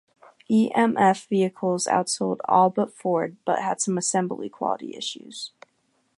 E-M-F vehicles outsold all but Ford but had some assembly quality issues.